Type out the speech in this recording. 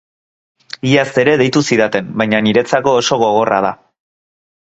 Iaz ere deitu zidaten, baina niretzako oso gogorra da.